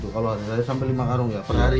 kalau hari raya sampai lima karung ya per hari